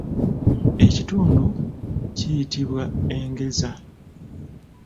Ekitundu kiyitibwa engeza.